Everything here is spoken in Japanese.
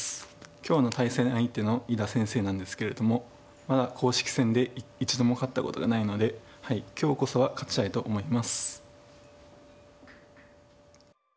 今日の対戦相手の伊田先生なんですけれどもまだ公式戦で一度も勝ったことがないので今日こそは勝ちたいと思います。